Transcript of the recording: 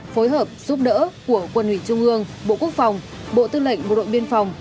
phối hợp giúp đỡ của quân ủy trung ương bộ quốc phòng bộ tư lệnh bộ đội biên phòng